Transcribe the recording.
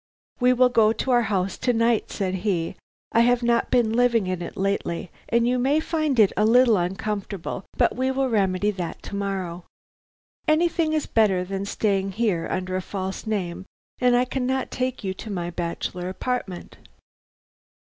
"'We will go to our house to night,' said he. 'I have not been living in it lately, and you may find it a little uncomfortable, but we will remedy that to morrow. Anything is better than staying here under a false name and I cannot take you to my bachelor apartment.'